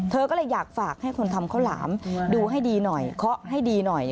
เธอก็เลยอยากฝากให้คนทำข้าวหลามดูให้ดีหน่อยเคาะให้ดีหน่อย